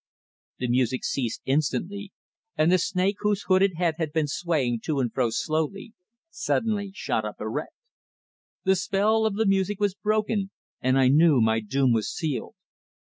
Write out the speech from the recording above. The music ceased instantly, and the snake, whose hooded head had been swaying to and fro slowly, suddenly shot up erect. The spell of the music was broken, and I knew my doom was sealed.